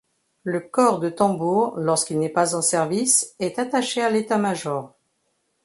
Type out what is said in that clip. Le corps de tambours lorsqu'il n'est pas en service est attaché à l'état-major.